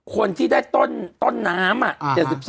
คนที่ได้ต้นน้ำ๗๒